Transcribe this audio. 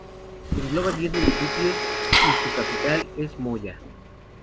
Engloba diez municipios y su capital es Moyá.